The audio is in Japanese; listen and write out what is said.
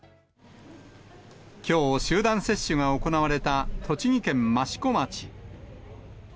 きょう、集団接種が行われた栃木県益子町。